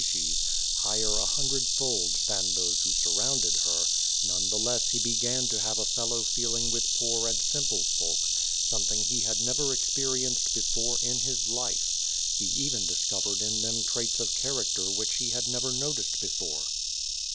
cies, high er a hundredfold than those who surrounded her, none the less he began to have a fellow feeling with poor and simple folk, something he had never cxiMjrienccd before in his life. He even discovered in them traits of character which he had never noticed before.